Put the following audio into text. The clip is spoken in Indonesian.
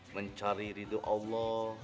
mencari hidup allah